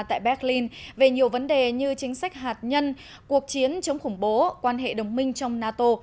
tại berlin về nhiều vấn đề như chính sách hạt nhân cuộc chiến chống khủng bố quan hệ đồng minh trong nato